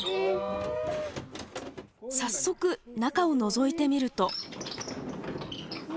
早速中をのぞいてみると。